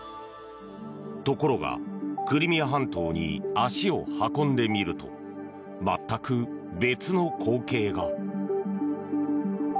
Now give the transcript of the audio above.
ところがクリミア半島に足を運んでみると全く別の光景が。